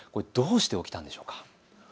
どうして起きたんでしょうか。